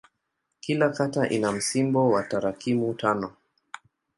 Kila kata ina msimbo wa tarakimu tano.